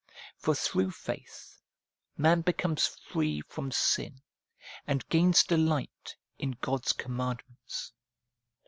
For through faith man becomes free from sin, and gains delight in God's commandments.